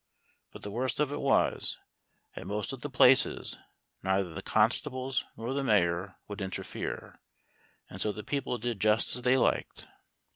But the worst of it was, at most of the places, neither the constables nor the mayor would interfere, and so the people did just as they liked.